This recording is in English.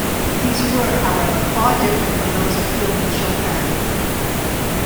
These were, however, far different from those of Field and Chopin.